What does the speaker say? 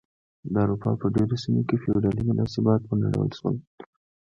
د اروپا په ډېرو سیمو کې فیوډالي مناسبات ونړول شول.